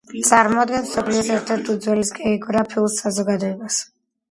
წარმოადგენს მსოფლიოს ერთ-ერთ უძველეს გეოგრაფიულ საზოგადოებას.